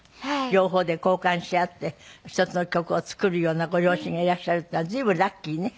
両方で交換し合って１つの曲を作るようなご両親がいらっしゃるっていうのは随分ラッキーね。